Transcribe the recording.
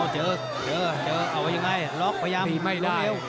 เจอเอาไว้ยังไงล๊อคพยายาม